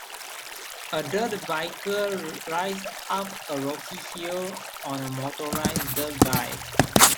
A dirt biker rides up a rocky hill on a motorized dirt bike.